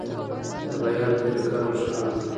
د بیان طریقه روښانه ده.